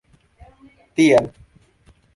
tial